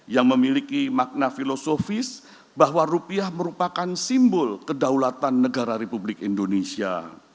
yang memiliki makna filosofis bahwa rupiah merupakan simbol kedaulatan negara republik indonesia